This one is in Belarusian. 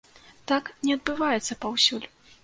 Так не адбываецца паўсюль.